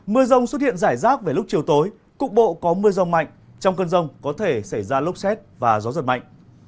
mưa rông xuất hiện rải rác về lúc chiều tối cục bộ có mưa rông mạnh trong cơn rông có thể xảy ra lốc xét và gió giật mạnh